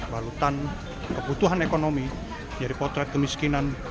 balutan kebutuhan ekonomi jadi potret kemiskinan